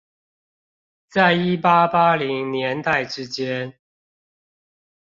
在一八八零年代之間